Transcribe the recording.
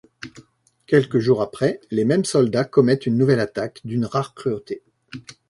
Quelques jours après, les mêmes soldats commettent une nouvelle attaque, d’une rare cruauté.